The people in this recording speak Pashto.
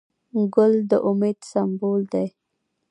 ګل د امید سمبول دی.